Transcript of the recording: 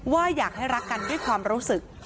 ว่าอยากให้รักกันด้วยความรู้สึก